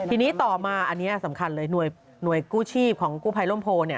ทีนี้ต่อมาอันนี้สำคัญเลยหน่วยกู้ชีพของกู้ภัยร่มโพ